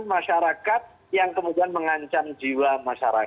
masyarakat yang kemudian mengancam jiwa masyarakat